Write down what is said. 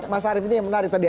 mas arief ini yang menarik tadi